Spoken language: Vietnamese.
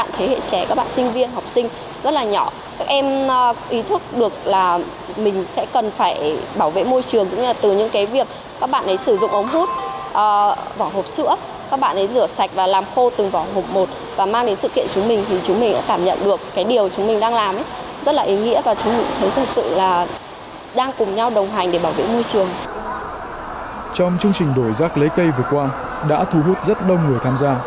trong chương trình đổi rác lấy cây vừa qua đã thu hút rất đông người tham gia